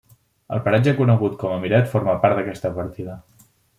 El paratge conegut com a Miret forma part d'aquesta partida.